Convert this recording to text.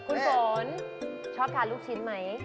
คุณฝนชอบทานลูกชิ้นไหม